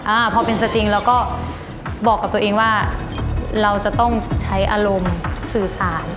อ่าพอเป็นสติงเราก็บอกกับตัวเองว่าเราจะต้องใช้อารมณ์สื่อสาร